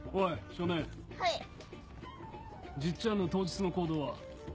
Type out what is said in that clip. じっちゃんの当日の行動は？